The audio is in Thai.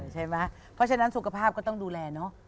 ใช่ไหมเพราะฉะนั้นสุขภาพก็ต้องดูแลเนอะ